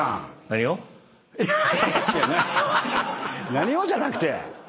「何を？」じゃなくて。